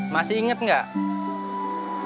masih inget gak